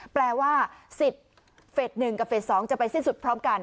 แปลว่าสิทธิ์เฟส๑กับเฟส๒จะไปสิ้นสุดพร้อมกัน